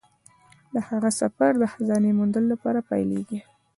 د هغه سفر د خزانې د موندلو لپاره پیلیږي.